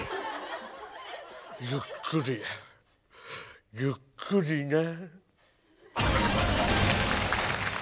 ゆっくりゆっくりね。